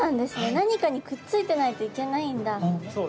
何かにくっついてないといけないんだ。